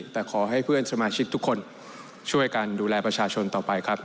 แต่ขอให้เพื่อนสมาชิกทุกคนช่วยกันดูแลประชาชนต่อไปครับ